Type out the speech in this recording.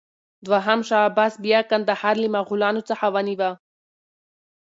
دوهم شاه عباس بیا کندهار له مغلانو څخه ونیوه.